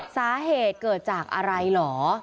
สาเหตุเกิดจากอะไรเหรอ